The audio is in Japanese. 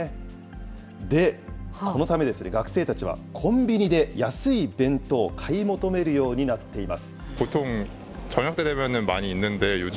で、このため、学生たちはコンビニで安い弁当を買い求めるようになっています。